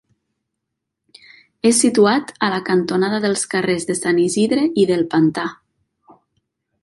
És situat a la cantonada dels carrers de Sant Isidre i del Pantà.